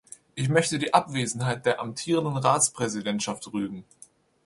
Ich möchte die Abwesenheit der amtierenden Ratspräsidentschaft rügen.